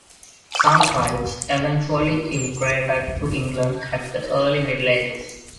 Some tribes eventually immigrated to England at the Early Middle Ages.